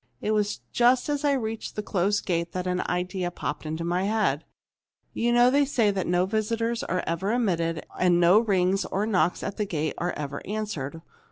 It was just as I reached the closed gate that an idea popped into my head. "You know, they say that no visitors are ever admitted, and no rings or knocks at the gate are ever answered.